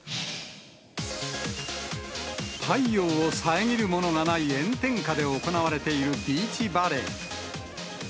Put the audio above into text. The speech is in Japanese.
太陽を遮るものがない炎天下で行われているビーチバレー。